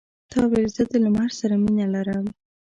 تا ویل زه د لمر سره مینه لرم.